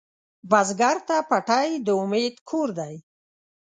بزګر ته پټی د امید کور دی